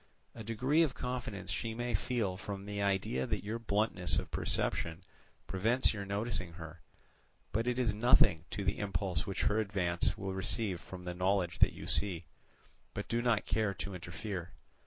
A degree of confidence she may feel from the idea that your bluntness of perception prevents your noticing her; but it is nothing to the impulse which her advance will receive from the knowledge that you see, but do not care to interfere.